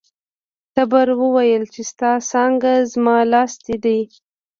تبر وویل چې ستا څانګه زما لاستی دی.